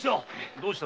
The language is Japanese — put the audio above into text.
どうした？